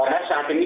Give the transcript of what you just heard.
karena saat ini